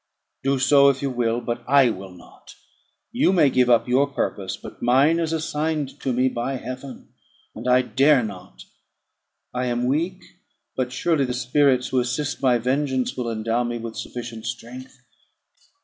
"Do so, if you will; but I will not. You may give up your purpose, but mine is assigned to me by Heaven, and I dare not. I am weak; but surely the spirits who assist my vengeance will endow me with sufficient strength."